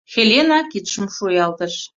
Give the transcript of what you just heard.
— Хелена, — кидшым шуялтыш.